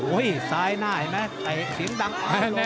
โอ้ยซ้ายหน้าเห็นมั้ย